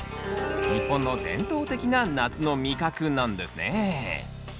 日本の伝統的な夏の味覚なんですね。